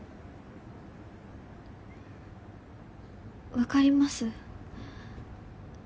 分かります。